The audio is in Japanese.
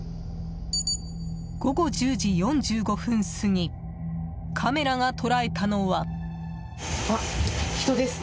午後１０時４５分過ぎカメラが捉えたのは。